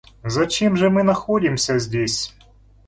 Зачем же мы находимся здесь?